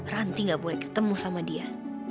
ranti gak boleh ketemu sama dia